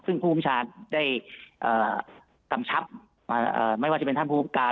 ซึ่งภูมิชาได้กำชับไม่ว่าจะเป็นท่านผู้การ